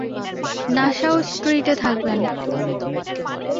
Nassau স্ট্রিটে থাকবেন।